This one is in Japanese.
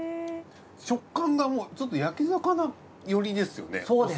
食感がもうちょっと焼き魚寄りですよね。